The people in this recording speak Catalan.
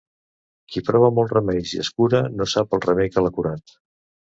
Qui prova molts remeis i es cura no sap el remei que l'ha curat.